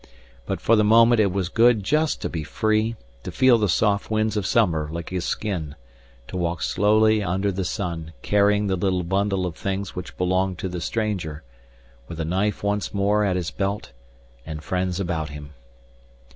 But for the moment it was good just to be free, to feel the soft winds of summer lick his skin, to walk slowly under the sun, carrying the little bundle of things which belonged to the stranger, with a knife once more at his belt and friends about him.